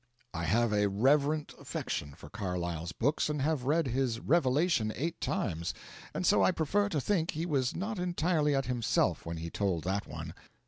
I have a reverent affection for Carlyle's books, and have read his 'Revelation' eight times; and so I prefer to think he was not entirely at himself when he told that one.